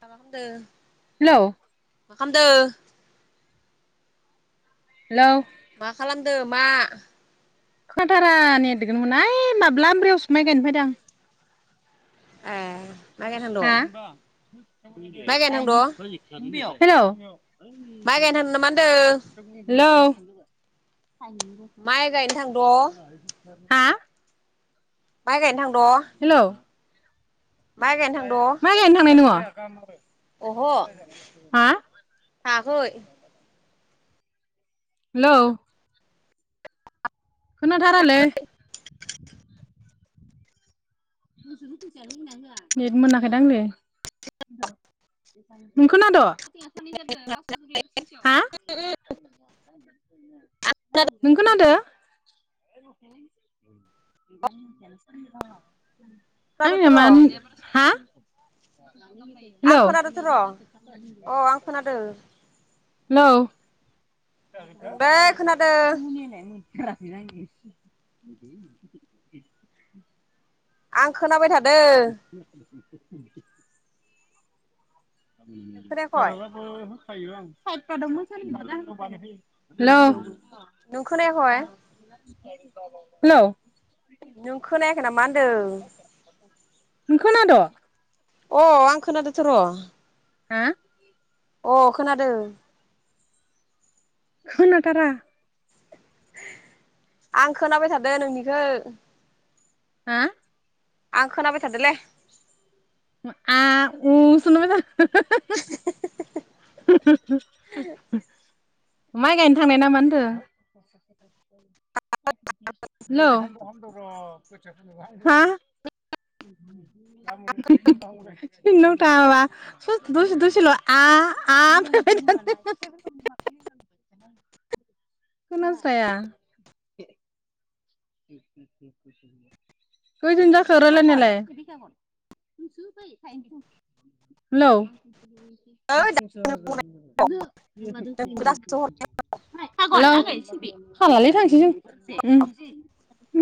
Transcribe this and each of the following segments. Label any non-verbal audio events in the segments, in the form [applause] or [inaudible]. मा हेलौ खामदो? हेलौ मा खालामदो मा? खोनाथारा नेदखोनो मोना ओइ माब्ला आमब्रियावसो माय गायनो फायदो आं। ए माइ गायनो थांद' हा माइ हेलौ माय गायनो थांदो नामा होनदो हेलौ माइ गायनो थांद? हा माइ गायनो थांद'? हेलौ माइ गायनो थांद' माइ गायनो थांनाय नोङ अह' हा थाङाखै हेलौ खोनाथारालै नेत मोनाखैदांलै नों खोना द' हा नों खोनादो [inaudible] खोनादोंथ' आंनिया र' मा हा हेल' आं खोनादोंथ' र' हेल' अ आं खोनादों ओंलै खोनादों [inaudible] आं खोनाबाय थादों [inaudible] [inaudible] नों खोनायाखय [inaudible] हेल' नों खोनायाखय हेल' खोनायाखै नामा नों होनदों खोनाद' अ आं खोनादोंथ' र'। हा। अ खोनादों। खोनाथारा। आं खोनाबाय थादों नोंनिखो। हा। आं खोनाबाय थादोलै। आ उ। माइ गायनो थांनाय नामा होनदों। हेल' हा। [inaudible] [unintelligible] खोनाखाया। खयदिन जाखो रायलायनायालाय। ओइ नोंखौ दासो हेलौ [inaudible] हालाय थांसै जों।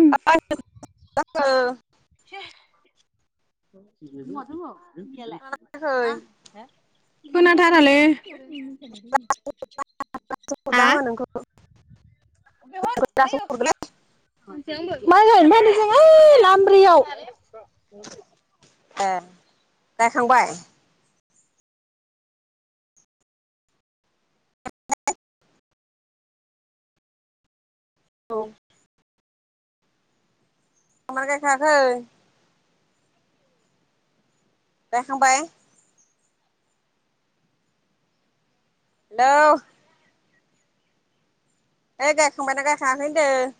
उम [unintelligible] खोनाथारालै। हा [unintelligible] माइ गायनो फायदों जों ओइ लामब्रैयाव। एह गायखांबाय। औ। [unintelligible] गायखांबाय। हेलौ। ओ गायखांबायना गायखाङाखै होनदों।